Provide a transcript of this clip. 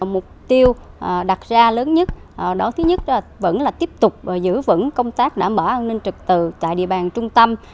mục tiêu đặt ra lớn nhất đó thứ nhất là vẫn là tiếp tục giữ vững công tác đã mở an ninh trực tự tại địa bàn trung tâm